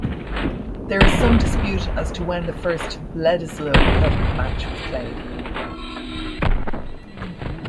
There is some dispute as to when the first Bledisloe Cup match was played.